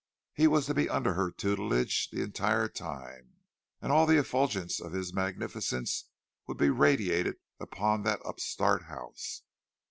He was to be under her tutelage the entire time, and all the effulgence of his magnificence would be radiated upon that upstart house.